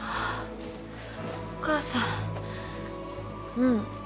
うん。